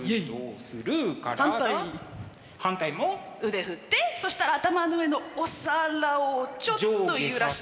腕振ってそしたら頭の上のお皿をちょっと揺らして。